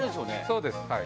そうですはい。